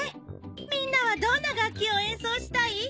みんなはどんな楽器を演奏したい？